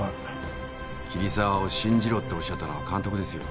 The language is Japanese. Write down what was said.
桐沢を信じろっておっしゃったのは監督ですよ。